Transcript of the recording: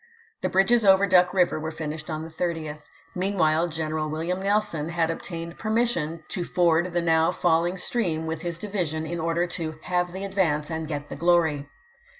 The bridges over Duck p 47. ' River were finished on the 30th. Meanwhile, Gren Ammen, eral William Nelson had obtained permission to M?rch27, ford the now falling stream with his division in voi. x.. ' Part I order to " have the advance and get the glory."